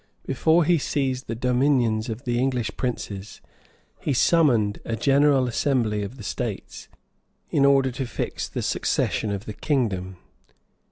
Before he seized the dominions of the English princes, he summoned a general assembly of the states, in order to fix the succession of the kingdom.